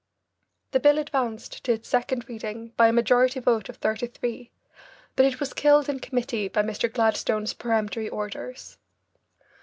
The bill advanced to its second reading by a majority vote of thirty three, but it was killed in committee by Mr. Gladstone's peremptory orders.